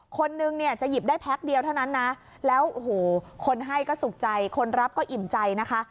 คนหนึ่งจะหยิบได้แพ็กเดียวเท่านั้นแล้วคนให้ก็สุขใจคนรับก็อิ่มใจนะคะ